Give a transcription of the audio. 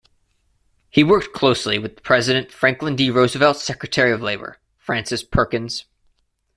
He worked closely with the President Franklin D. Roosevelt's Secretary of Labor, Frances Perkins.